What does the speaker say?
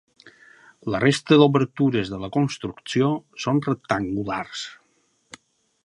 La resta d'obertures de la construcció són rectangulars.